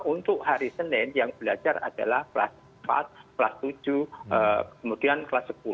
untuk hari senin yang belajar adalah kelas empat kelas tujuh kemudian kelas sepuluh